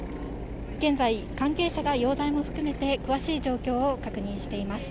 現在、関係者が容体も含めて詳しい状況を確認しています。